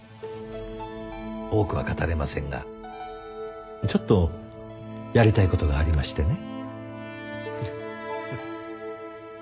多くは語れませんがちょっとやりたい事がありましてね。